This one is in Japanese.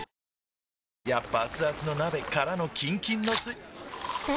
やっぱアツアツの鍋からのキンキンのスん？